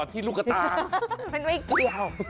ที่ลูกตามันไม่เกี่ยว